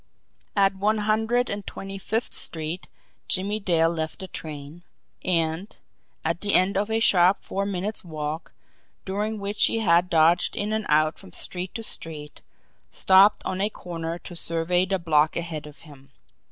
At One Hundred and Twenty Fifth Street Jimmie Dale left the train; and, at the end of a sharp four minutes' walk, during which he had dodged in and out from street to street, stopped on a corner to survey the block ahead of him.